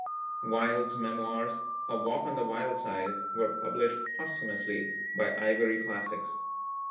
Wild's memoirs "A Walk on the Wild Side" were published posthumously by Ivory Classics.